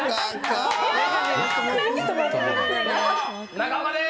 中岡です。